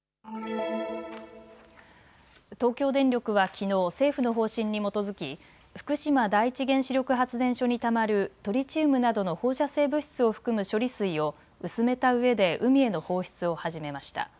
東京電力はきのう政府の方針に基づき福島第一原子力発電所にたまるトリチウムなどの放射性物質を含む処理水を薄めたうえで海への放出を始めました。